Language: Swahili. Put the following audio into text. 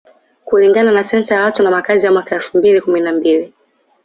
Kulingana na Sensa ya watu na makazi ya mwaka elfu mbili kumi na mbili